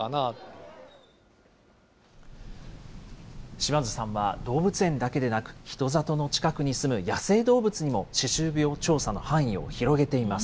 島津さんは動物園だけでなく、人里の近くに住む野生動物にも歯周病調査の範囲を広げています。